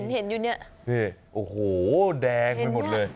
เห็นอยู่เนี่ยนี่โอ้โหแดงไปหมดเลย